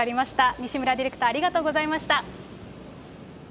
西村ディレクター、ありがとうございました。